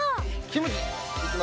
キムチ？